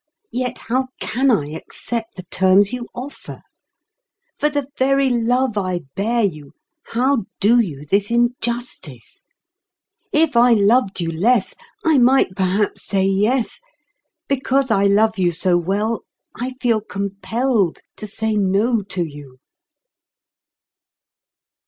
Yet how can I accept the terms you offer? For the very love I bear you, how do you this injustice? If I loved you less, I might perhaps say yes; because I love you so well, I feel compelled to say no to you."